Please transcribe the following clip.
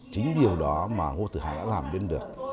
chính điều đó mà ngô tử hà đã làm đến được